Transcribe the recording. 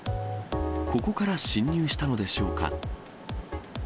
ここから侵入したのでしょうか。